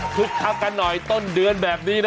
พูดข้างกันหน่อยต้นเดือนแบบนี้นะ